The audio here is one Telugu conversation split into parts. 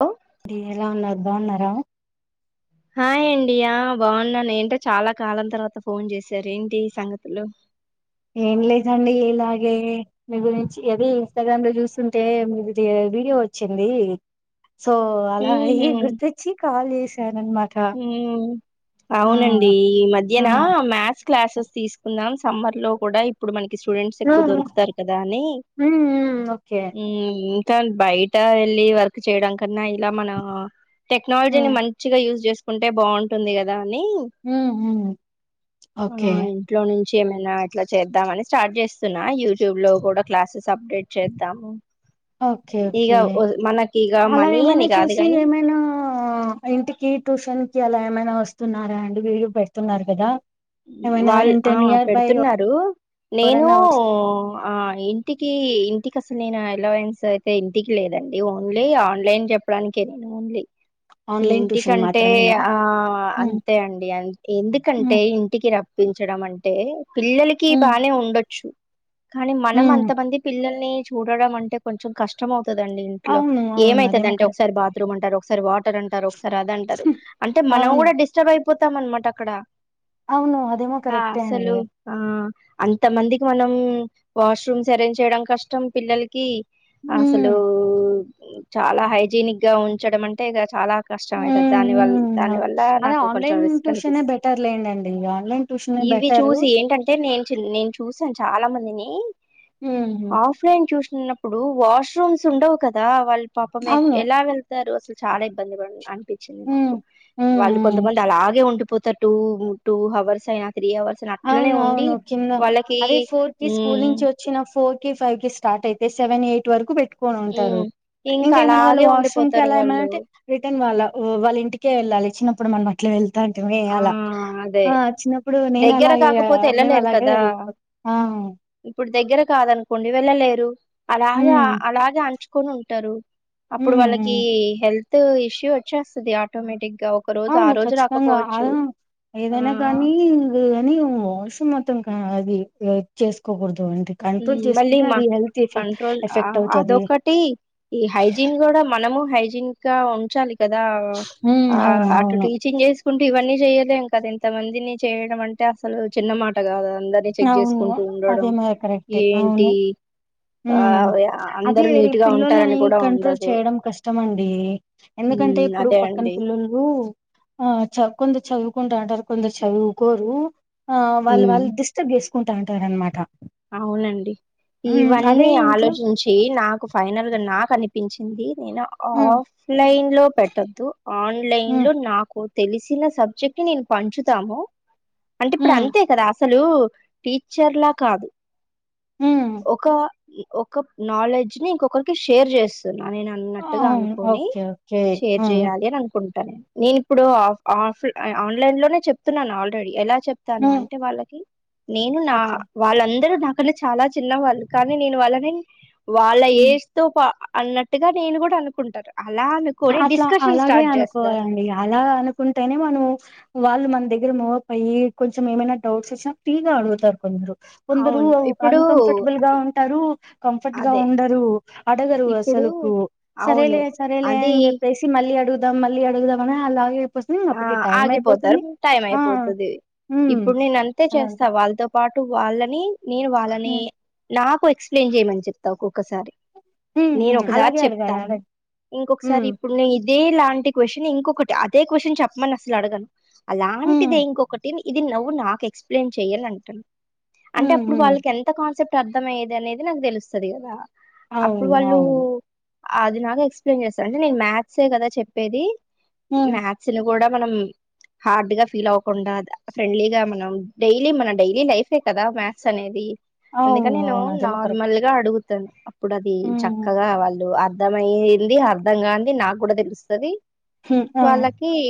ఆ ది ఎలా ఉన్నారు బాగున్నారా హాయ్ అండి బాగున్నాను ఏంటో చాలా కాలం తర్వాత ఫోన్ చేసారు ఏంటి సంగతులు. ఏం లేదండి ఇలాగే మీ గురించి ఏదో ఇన్స్టాగ్రామ్ లో చూస్తుంటే మీది వీడియో వచ్చింది సో అలా అయ్యే గుర్తిచ్చి కాల్ చే ఉ ఆ అవునండి ఈ ఆ మధ్యన మ్యాథ్స్ క్లాసెస్ తీసుకున్నాం సమ్మర్ లో కూడా ఇప్పుడు మనక్ కి స్టూడెంట్స్ ఎక్కువ హ్మ్ దొరుకుతారు కదా అని హ్మ్ హ్మ్. ఓకే ఉ తన్ బయట వెళ్ళి వర్క్ చేయడం కన్నా ఇలా మన టెక్నాలజీని హ్మ్ మంచిగా యూజ్ చేస్ కుంటే బాగుంటుంది కదా అని హ్మ్ హ్మ్ ఆ ఓకే ఇంట్లో నుంచ్ ఏమైనా ఇట్లా చేద్దామని స్టార్ట్ చేస్తున్నా, యూట్యూబ్ లో కూడా క్లాసెస్ అప్డేట్ చేద్దాము ఓకే ఇగ ఓకే మనకి ఇగ అలా మనీ అని ఏమైనా కాదు చూసి కాని ఏమైనా ఇంటికి ట్యూషన్ కి అలా ఏమైనా వస్తున్నారా అండి వీళ్ళు పెడుతున్నారు కదా. ఏమైనా వాళ్ ఇంటి ఆ నియర్ బై పెడుతున్నారు నేను ఎవరన్నా ఆ ఇంటికి ఇన్ ఇంటికి అసలు నేను అలవెన్స్ అయితే ఇంటికి లేదండి ఓన్లీ ఆన్లైన్ చెప్పడానికే నేను ఓన్లీ. ఆన్లైన్ ట్యూషన్ ఇంటికంటే మాత్రమేనా ఆ హ్మ్ అంతే అండి అంత్ హ్మ్ ఎందుకంటే ఇం ప్పించడం అంటే పిల్లలకి హ్మ్ బానే ఉండొచ్చు కానీ మనం హ్మ్ అంతమంది పిల్లల్ని చూడడం అంటే కొంచెం కష్టం అవ్ కాదండీ ఇంట్లో అవును అవును అదేమో ఏమయితదంటే కరెక్ట్ ఒకసారి బాత్రూమ్ అంటారు ఒకసారి వాటర్ అంటారు ఒకసార్ సరి అది అంటారు అంటే మనం అవును కూడా డిస్టర్బ్ అయిపోతాం అనమాట అక్కడ. అవును అదేమో ఆ కరెక్టే అండి ఆసలు ఆ అంత మందికి మనం వాష్రూమ్స్ అరేంజ్ చేయడం కష్టం పిల్లలకి అసలు హ్మ్ చాలా హైజీనిక్ గా ఉంచడం అంటే ఇక చాలా కష్టం అయితది హ్మ్ దాని వల్ హ్మ్ దాని అవ్ వల్ల అదే నాకు కొంచెం ఆన్లైన్ రిస్క్ ట్యూషనే అనిపిస్త్ బెటర్ లేండండి ఆన్లైన్ ట్యూషనే ఇవి బెటరు చూసి ఏంటంటే నేన్ నేను చూసాను చాలా మందిని హ్మ్ ఆఫ్లైన్ చూస్ న్నప్పుడు వాష్రూమ్స్ ఉండవు కదా వాళ్ళ పాపం అవును ఎలా వెళ్తారు. చాలా ఇబ్బందిగా అన్ అనిపించింది హ్మ్ నాకు హ్మ్ వాళ్ళు హ్మ్ కొంతమంది అలాగే ఉండిపోతర్ టూ టూ హవర్స్ అయినా త్రీ అవర్స్ అయినా అట్లనే అవును ఉండి అవును కింద వాళ్ళకి అదే ఫోర్ కి స్కూల్ ఉమ్ నుంచి వచ్చిన ఫోర్ కి ఫైవ్ కి స్టార్ట్ అయితే సెన్ ఎయిట్ వరకు పెట్ ఉమ్ వంటారు ఇంకా ఏమైనా వాళ్ళ అలాగే వాష్రూమ్ కి ఉండిపోతారు అలా ఏమన్న వాళ్ళు అంటే రిటర్న్ వాళ్ల వాళ్ళ ఇంటికే వెళ్ళాలి చిన్నప్పుడు మనం అట్లా వెళ్తాంటేమే ఆ ఆలా అదే ఆ చిన్నప్పుడు నేను దగ్గర అలాగే కాకపోతే మేము వెళ్ళలేరు అలాగే కదా వెళపోతం ఇప్పుడు దగ్గర కాదనుకోండి వెళ్ళలేరు అలాఅని హ్మ్. అలాగే అంచుకొని ఉంటారు అప్పుడు హ్మ్. హ్మ్. వాళ్ళకి హెల్త్ ఇష్యూ వచ్చేస్తది ఆటోమేటిక్ ఒక రోజు ఆ రోజు రాకపోవచ్చు ఆమ్ ఆ ఏదైనా కానీ ఇ కాని వాష్రూమ్ అప్పుడు మొత్తం అది చేసుకోకూడదు అంటే అది కంట్రోల్ ఉమ్, మళ్ళీ చేసుకుంటే మా అది హెల్త్ ఎఫ కంట్రోల్ ఎఫెక్ట్ అవుతుంది అదొకటి ఈ హైజీన్ కూడా మనము హైజ ఇంకా ఉంచాలి కదా హ్మ్. అవును. అటు అవును. టీచింగ్ చేసుకుంటూ ఇవన్నీ చేయలేం కదా ఇంత మందిని చేయడం అంటే అసలు చిన్నమాట కాదు కదా అందరినీ చెక్ అవును. చేసుకుంటూ ఉండడం ఏంటి ఆ హ్మ్మ్ అదే అందరూ వేరే నీట్ గా పిల్లలని ఉంటారని కూడా కంట్రోల్ ఉండదు చేయడం కష్టమండి ఎందుకు ఎందుకంటే హ్మ్ ఇప్పుడు అదే పక్కన అండి పిల్లలు ఆ చ కొంత చదువుకుంటా ఉంటారు కొందరు చదువుకోరు ఆ వాళ్ళు ఉమ్, వాళ్ళు డిస్టర్బ్ చేసుకుంటా ఉంటారునమాట అవునండి అదే ఇవన్నీ ఇంట్లో ఆలోచించి నాకు ఫైనల్ గా నాకు అనిపించి ి నేను ఉమ్ ఆఫ్లైన్ లో పెట్టొద్దు ఆన్లైన్ ఉమ్ లో నాకు తెలిసిన సబ్జెక్ట్ ని నేను పంచుతాము అంటే ఇప్పుడు ఉమ్ అంతే కదా అసలు టీచర్లా కాదు ఉమ్ ఒక ఒక నాలెడ్జ్ ని ఇంకొకరికి షేర్ చేస్తూ నేను అన్నట్టుగా అవును అనుకొని ఓకే ఓకే షేర్ ఉమ్ చేయ్యాలి అని అనుకుంటును నేను ఇప్పుడు్ ఆఫ్ ఆన్లైన్ లోనే చెప్తున్నాను ఆల్రెడీ ఎలా చెప్తాను ఉమ్ అంటే వాళ్ళకి నేను నా ఓకే వాళ్ళ అరు నాకంటే చాలా చిన్నవాళ్ళు కానీ నేను వాళ్ళని వాళ్ళ ఉమ్ ఏజ్ త పా అన్నట్టుగా నేను కూడా అనుకుంటారు అట్లా అలాగే చేస్తాను అనుకోవాలండి అలా అనుకుంటేనే మనము వాళ్ళు మన దగ్గర మూవప్యి కొంచెం ఏమైనా డౌట్స్ వచ్చినా ఫ్రీగా అడుగుతారు కొందరు కొందరు అవును ఇప్పుడు అన్కంఫర్టబుల్ గా ఉంటారు కంఫర్ట్ గా అదే ఉండరు అడగరు అసలు ఇప్పుడు అవును సరేలే సరేలే అది అని చెప్పేసి మళ్ళీ అడుగుదాం మళ్ళీ అడుగుదాంని అలాగే అయిపోతుంది ఆ అప్పటికి టైం ఆగిపోతారు అయిపోతుంది టైం ఆ అయిపోతుంది ఇవి ఉమ్ ఇప్పుడు నేను అంతే అలా చేస్తా అంటారు వాళ్ళతో పాటు అ వాళ్ళని నేను వాళ్ళని ఉమ్ నాకు ఎక్స్ప్లెయిన్ చేయమని చెప్తా ఒక్కొక్కసారి ఉమ్ నేను ఉమ్ ఒకసారి అలాగే అడగాలి చెప్తాను అలాగే ఇంకొకసారి ఉమ్ ఇప్పుడు నే ఇదే లాంటి క్వశ్చన్ ఇంకొకటి అదే క్వ్చన్ చెప్పమని అసలు అడగను ఉమ్ అలాంటిదే ఇంకొకటి ఇది నువ్వు నాకు ఎక్స్ప్లెయిన్ చెయ్యాలి అంటాను అంటే ఉమ్ అప్పుడు ఉమ్ వాళ్ళకి ఎంత కాన్సెప్ట్ అర్థం అయ్యేది అనేది నాకు తెలుస్తుంది కదా అప్పుడు అవును వాళ్ళు అవును అది నాగా ఎక్స్ప్లెయిన్ చేస్తాను అంటే నేను మా్యాథ్సే కదా చెప్పేది హ మ్యాథ్స్ కూడా మనం హార్డ్ గా ఫీల్ అవ్వకుండా ఫ్రెండ్లీగా మనం డైలీ మన డైలీ లైఫే కదా మ్యాథ్స్ అనేది అందుక అవును నేను అవును అదేమో కరెక్ట్ నార్మల్గా అడుగుతాను అప్పుడు అది ఉమ్ చక్కగా వాళ్ళు అర్థ అయింది అర్ధం కాంది నాకు కూడా తెలుస్తుది హ ఆ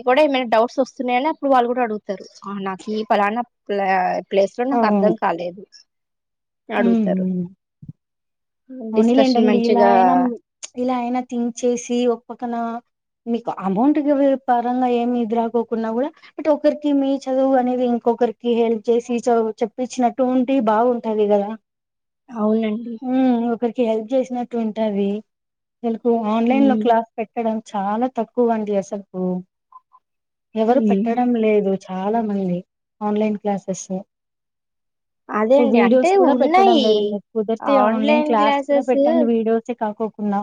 కూడా ఏమైనా డౌట్స్ వస్తున్నాయని అప్పుడు వాళ్ళు కూడా అడుగుతారు నాకు ఈ ప్లేస్ లో నాకు అవును అర్థం కాలేదు అడుగుతారు డిస్కషన్ మనీలేంటండి ఇలా మంచిగా అయినా ఇలా అయినా తింక్ చేసి ఒప్పకన మీకు అమౌంట్ పరంగా ఏమిది రాకోకుంన్నా కూడా బట్ ఒకరికి మీ చదువు అనేది ఇంకొ ఒకరికి హెల్ప్ చేసి చదువు చెప్పించినట్టు ఉంటే బాగుంటది కదా అవునండి ఉమ్ ఒకరికి హెల్ప్ చేసినట్టు ఉంటది. వాలకు ఆన్లైన్ లో ఉమ్, క్లాస్ పెట్టడం చాలా తక్కువ అండి అసలుకు. ఎవరు ఉమ్. పెట్టడం లేదు చ్ చాలా మంది ఆన్లైన్ క్లాసెస్ అదే సో అండి వీడియోస్ అంటే కూడా పెట్టడం ఉన్నాయి లేదు [unintelligible] కుదిరితే ఆన్లైన్ క్లాస్ [unintelligible] కూడా పెట్టండి వీడియోసే కాకోకుండా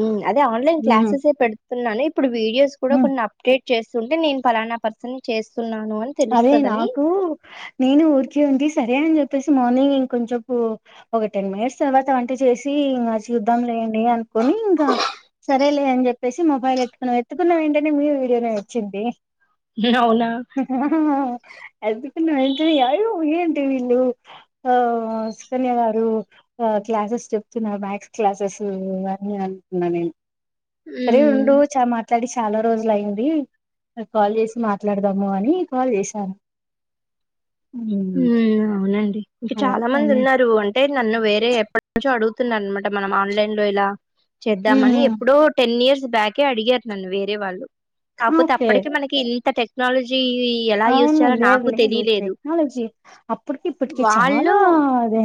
ఉమ్ అదే ఆన్లైన్ ఉమ్ క్లాసెస్ ఏ పెడుతున్నాను. ఇప్పుడు వీడియోస్ కూడా ఉమ్ కొన్ని అప్డే చేస్తుంటే నేను పలానా పర్సన్ నీ చేస్ అదే నాకు నేను ఊరికే ఉండి సరే అని చె సీ మార్నింగ్ ఇంకొంచెపు ఒక టెన్ మినిట్స్ తర్వాత [unintelligible] చేసి ఇ చూద్దాం నేను అనుకని ఇంక సరే ల్ [unintelligible] అని చెప్పేసి మొబైల్ ఎత్తుకున్నా ఎత్తుకున్న వెంటనే మీ వీడియోనే వచ్చింది. అవునా? [unintelligible] అయో ఏంటివ వీళ్ళు సుకన్య [unintelligible] ఆ క్లాసెస్ చెప్తున్నారు మ్యాథస్ క్లాసెస్ అని అంటన్నా నేను. సరే హ్మ్. ఉండు చా మ ట్లాడి చాలా రోజులు అయింది. కాల్ చేసి మాట్లాడదాము అని కాల్ చేశాను. మ్ హ్మ్ అవునండి ఇంక అలా చాలా మంది మ్ ఉన్నారు అం టే నన్ను వేరే ఎప్పటి నుంచో అడుగుతున్న అనమాట మనం ఆన్లైన్ లో ఇలా చేద్దామని మ్ ఎప్పుడో టెన్ ఇయర్స్ బ్యాకే అడిగారు నన్ను వేరే వాళ్ళు. కాకపోతే ఓకే అప్పటిక మనకి ఇంత టెక్నాలజీ [unintelligible] ఎలా యూస్ అవును చేలో లేదు నాకు లేదు తెలిలేదు టెక్నాలజీ అప్పటికి ఇప్పటికి వాళ్ళు చాలా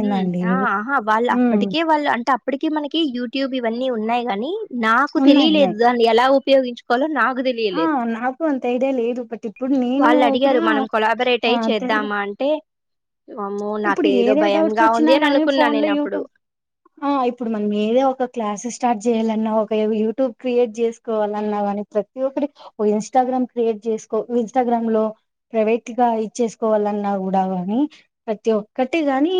హ్మ్ ఆ ఆహా వాళ్ళు మ్ అప్పటికే వాళ్ ట్ అప్పటిక మనకి యూట్యూబ్ ఇవన్నీ ఉన్నాయి కానీ నాకు ఉన్నాయి తెలిలేదు ఉన్నాయి దానీ ఎలా ఉ ఉపయోగించుకోవాల నాక్ ఆ నాకు అంత ఐడియా లేదు పట్టి వాళ్ళు అడిగారు మనం కొలాబరేట్ అయిి తె చేద్దామా అంటే వామ్మో నాక ఇప్పుడు ఏదో ఏదే డౌట్స్ భయంగా వచ్చినా ఉంది అని గాని అనుకున్నా ఫోన్ లో నేను యూట్యూబ్ అప్పుడు ఆ ఇప్పుడు మనం ఏదే ఒక క్లాసెస్ స్టార్ట్ చేయాలన్నా ఒక యూట్యూబ్ క్రియేట్ చేసుకోవాలన్నా కానీ ప్రతి ఒక్కటి ఓ ఇన్స్టాగ్రామ్ క్రియేట్ చేసుకో ఇన్స్టాగ్రామ్ లో ప్రైవేట్ గా ఇదిచేస్సుకోవాలన్నా కూడా కానీ ప్రతి ఒకట్టి గాని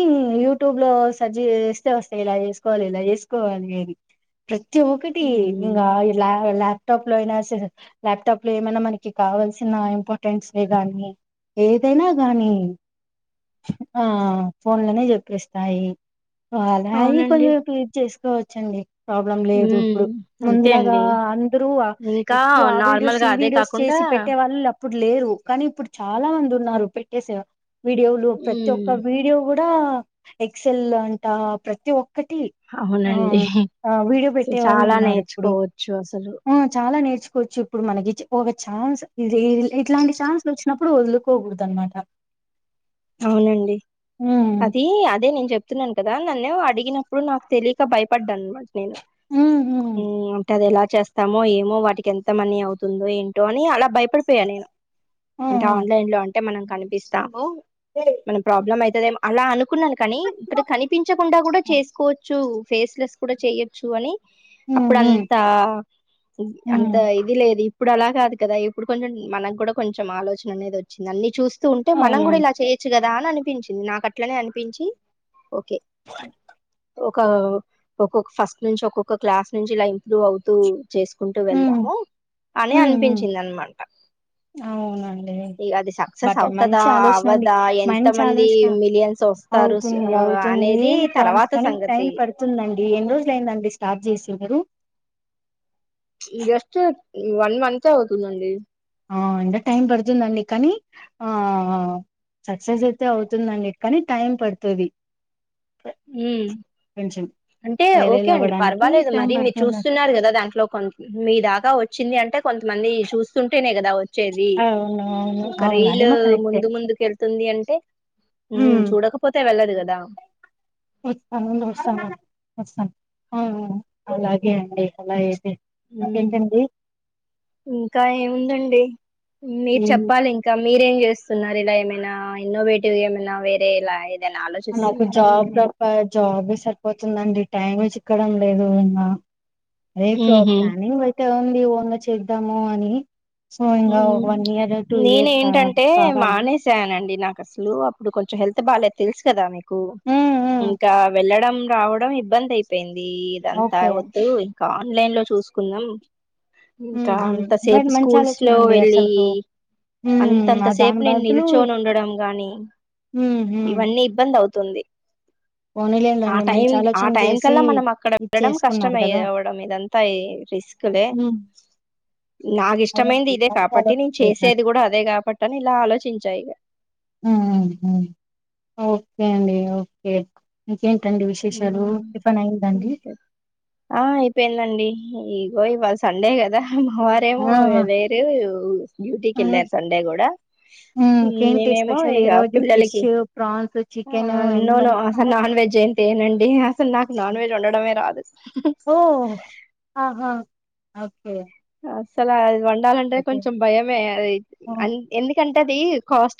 యూట్యూబ్ లో సెర్చ్ చేస్తే వస్తాయి ఇలా చేసుకోవాలి ఇలా చేసుకోవాలి అని ప్రతి ఒక్కటి ఇంగ హ్మ్ లా ల్యాప్టాప్ లో అయినా సరే ల్యాప్టాప్ లో ఏమైనా మనకి కావవాల్సిన ఇంపార్టెన్ట్స్ కానీ. ఏదైనా గాని ఆ ఫోన్ లోనే చెప్పిస్తాయి. అవునండి [unintelligible] చేసుకోవచ్చండి ప్రాబ్లం లేదు హ్మ్ ఇప్పుడు అంతే ముందులాగా అండి అందరూ ఇంకా ఎక్కువ ఆ వీడియోస్ నార్మల్గా ఈ అదే వీడియోస్ కాకుండా చేసి పెట్టే వాళ్ళు ఇప్పుడు లేరు కానీ ఇప్పుడు చాలా మంది ఉన్నారు పెట్టేస వీడియోలు ప్రతి హ్మ్ ఒక్క వీడియో కూడా [unintelligible] ఎక్సల్ అంటా ప్రతి ఒక్ ఒకటి అవునండి ఆ వీడిో పెట్టే అసలు వాళ్ళు చాలా ఉన్నారు ఇప్పుడు నేర్చుకోవచ్చు అసలు ఆ చాలా నేర్చుకోవచ్చు ఇప్పుడు మనకి ఒక ఛాన్స్ ఇది ఇట్లాంటి ఛాన్స్ వచ్చినప్పుడు వదులుకోకూడదు అనమాట. అవునండి ఉమ్ అది అదే నేను చెప్తున్నాను కదా నన్ను అడిగినప్పుడు నాకు తెలియక భయపడ్డా అనమాట నేను. ఉమ్ అంటే అది ఎలా చేస్తామో ఏమో వాటికి ఎంత మనీ అవుతుందో ఏంటో అని అలా భయపడిపోయాను నేను ఆ అంటే ఆన్లైన్ లో అంటే మనం కనిపిస్తాము ఆ మన ప్రాబ్లం అయి [unintelligible] అలా అనుకున్నాను కానీ ఇప్పుడ కనిపించకుండా గూడా చేసుకోవచ్చు ఫేస్ లెస్ కూడా చేయొచ్చు అని ఉమ్ అప్పుడు ఉమ్ అంతా హ్మ్ అంత ఇది లేదు ఇ ఇప్పుడు అలా కాదు కదా ఇప్పుడు కొంచెం మనకు కూడా కొంచెం ఆలోచన అనేది వచ్చింది అన్ని చూస్ స్తూంటే మనం అవునవును గూడా ఇలా చేయొచ్చు కదా అని అనిపించింది. నాకు అట్లనే అనిపించి ఓకే [unintelligible] ఒక ఒక్కొక్క ఫస్ట్ నుంచి ఒక్కొక్క క్లాస్ నుంచి ఇలా ఇంప్రూవ్ అవుతూ చేసుకుంటూ హ్మ్ వెళ్దాము అని హ్మ్ హ్మ్ అనిపించింది అనమాట అవునండి ఈ అది సక్సెస్ బట్ అవుతదా మంచి ఆలోచన ఆవద్ అండి దా ఎంత మంచి మంది ఆలోచన మిలియన్స్ వస్తారు అవుతుంది ఆ అనేది తర్వాత సంగతి ఉందండి ఎన్ని రోజుల అయ్యిందండి స్టాట్ జేసి మీరు ఈ వన్ మంతే ఔతుందండి ఆ ఎంత టైం పడుతుందండి కనీ ఆ సక్సెస్ అయితే అవుతుందండి కానీ టైం పడతది ఊ అంటే ఓకే వైరల్ అండి అవ్వడానికి పర్వాలేదు టైం మరి మీరు పడుతుంది చూస్తున్నారు కదా దాంట్లో కొన్ మీ దాకా వచ్చింది అంటే కొంతమంది చూస్తుంటేనే కదా వచ్చేది అవును అవును ఇంక అవును రీలు అదేమో కరెక్టే ముందు ముందుకెళ్తుంది అన్ టే ఊమ్ హ్మ్ చూడకపోతే వెళ్ళదు కదా అలాగే అండి అలా ఐతే ఊమ్ ఇంకా ఏముందండి మీరు ఈ చెప్పాలి ఇంకా మీరేం జేస్తున్నారు ఇలా ఏమైనా ఇన్నోవేటివ్ ఏమైనా వేరే ఇలా ఏదైనా అ నాకు ఆలోచిస్తున్నారా జాబ్ ఏమైనా ప్రపై జాబ్ ఏ సరిపోతుందండి టైమే చిక్కడం లేదు ఇంగ లే ఫో ఉహు ప్లానింగ్ అయితే ఉంది ఓంగ చేద్దాము అని సో ఊ ఇంగా వన్ ఇయర్ టూ ఇయర్ కా నేనేంటంటే కావాలి మానేశానండి నా అసలు అప్పుడు కొంచెం హెల్త్ బాలేదు తెలుసు కదా మీకు ఉమ్, ఉమ్, ఇంకా వెళ్ళడం రావడం ఇబ్బంది అయిపోయింది ఇదంతా ఓకే వద్దు ఇంక ఆన్లైన్ లో చూసుకుందాం ఇంకా ఉమ్, ఉమ్. బట్ అంతసేపు మంచి స్కూల్స్ ఆలోచన లో అండి వెళ్ళి అసలుకు ఉమ్, ఆ అంతంతసేపు దాని నేను బదులు నిల్చొని ఉండడం గాని ఇవన్నీ ఇబ్బన్ దౌతుంది [inaudible] ఆ టైం మంచి ఆ ఆలోచన టైం చేసి కల్లా మనం అక్కడ ఇది వెళడం కష్టం చేసుకున్నారు అయె కదా అవడం ఇదంతా ఈ రిస్ స్కులే ఉమ్. నాగిష్ అలా ష్టమైంది ఇదే అలా చాలా కాపట్టి నేను చేశారు చేసేది గూడా అదే కాబట్టి అని ఇలా ఆలోచించా ఇగ ఊహూ ఓకే అండి ఓకే ఏంటండి విశేషాలు హ్మ్. టిఫన్ అయ్యిందా అండి అంతే. ఆ అయిపోయిందండి ఇగో ఇవాళ సండే గదా హూ వారేమో ఆ లేరు ఆ హ్మ్. డ్యూటీకెళ్ళారు సండే కూడా ఇంకేంటి నేనేమో స్పెషల్ ఈ ఇగ రోజు ఫిష్ పిల్లలకి ప్రాన్స్ ఆ chicken any no no one అసలు నాన్ వెజ్ ఏం తి ఏనండి అసలు నాకు నాన్ వెజ్ వొండడమే రాదు ఆ ఓకే అసలు అది వండాలంటే అయితే కొంచెం భయమే అది ఆ అన్ ఎందుకంటే అది కాస్ట్ ఏక్